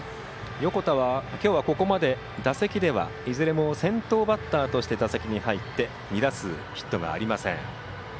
横田は今日はここまで打席ではいずれも先頭バッターとして打席に入って２打数ヒットがありません。